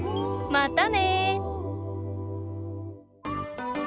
またね！